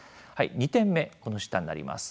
２点目この下になります。